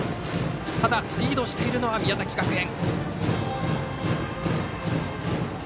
ただ、リードしているのは宮崎学園。